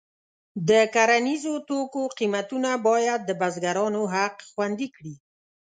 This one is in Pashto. د کرنیزو توکو قیمتونه باید د بزګرانو حق خوندي کړي.